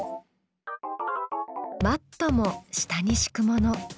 マットも下にしくもの。